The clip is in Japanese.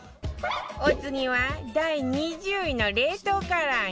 お次は第２０位の冷凍唐揚げ